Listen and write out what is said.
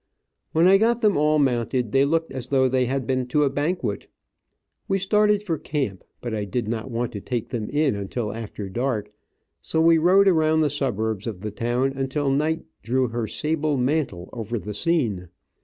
When I got them all mounted they looked as though they had been to a banquet. We started for camp, but I did not want to take them in until after dark, so we rode around the suburbs of the town until night drew her sable mantle over the scene.